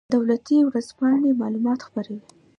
دولتي ورځپاڼې معلومات خپروي